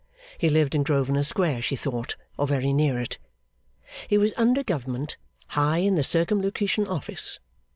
He lived in Grosvenor Square, she thought, or very near it. He was under Government high in the Circumlocution Office.